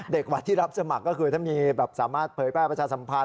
เด็กวัดที่รับสมัครก็คือถ้ามีแบบสามารถเผยแพร่ประชาสัมพันธ